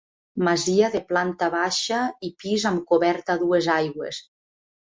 Masia de planta baixa i pis amb cobert a dues aigües.